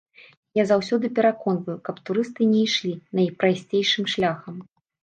Я заўсёды пераконваю, каб турысты не ішлі найпрасцейшым шляхам.